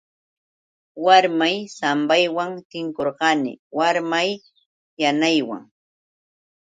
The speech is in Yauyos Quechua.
Warmay sambaywan tinkukurqani warmay yanaywan.